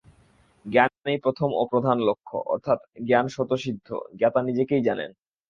জ্ঞানই প্রথম ও প্রধান লক্ষ্য, অর্থাৎ জ্ঞান স্বতঃসিদ্ধ, জ্ঞাতা নিজেকেই জানেন।